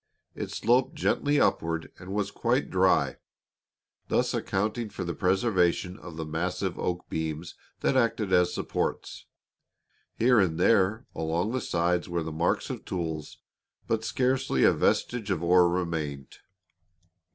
It sloped gently upward and was quite dry, thus accounting for the preservation of the massive oak beams that acted as supports. Here and there along the sides were the marks of tools, but scarcely a vestige of ore remained.